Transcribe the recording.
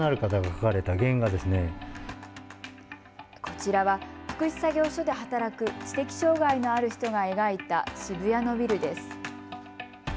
こちらは、福祉作業所で働く知的障害のある人が描いた渋谷のビルです。